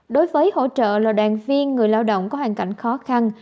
đối với hỗ trợ là đoàn viên người lao động có hoàn cảnh khó khăn